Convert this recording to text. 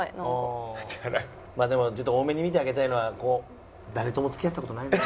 でもちょっと大目に見てあげたいのは誰とも付き合った事ないのよ。